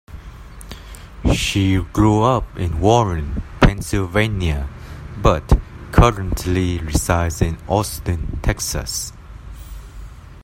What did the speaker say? She grew up in Warren, Pennsylvania but currently resides in Austin, Texas.